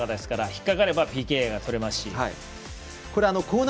引っ掛かればＰＫが取れますし。